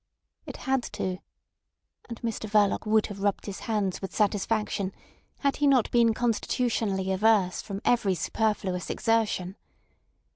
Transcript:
It had to—and Mr Verloc would have rubbed his hands with satisfaction had he not been constitutionally averse from every superfluous exertion.